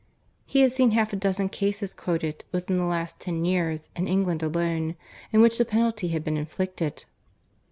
He had seen half a dozen cases quoted, within the last ten years, in England alone, in which the penalty had been inflicted.